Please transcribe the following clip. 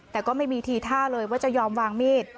แต่ก็ไม่มีทีท่าเลยว่าจะยอมวางมีด